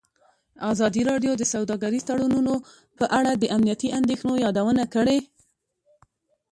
ازادي راډیو د سوداګریز تړونونه په اړه د امنیتي اندېښنو یادونه کړې.